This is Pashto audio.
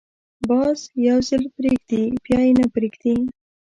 باز یو ځل پرېږدي، بیا یې نه پریږدي